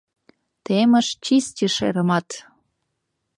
Темыш чисти шерымат!